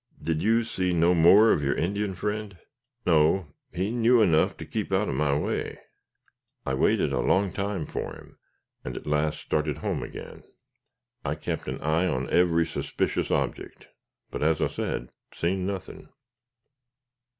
Did you see no more of your Indian friend?" "No; he knew enough to keep out of my way. I waited a long time for him, and at last started home again. I kept an eye on every suspicious object, but as I just said, seen nothing."